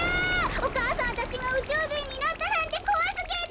お母さんたちがうちゅうじんになったなんてこわすぎる！